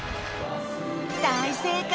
大正解！